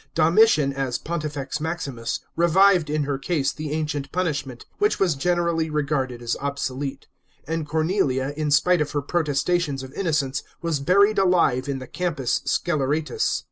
Domitian, as Pontifex Maximus, revived in her case the ancient punishment, which was generally regarded as obsolete ; and Cornelia, in spite of her protestations of innocence, was buried alive in the Campus Sceleratus.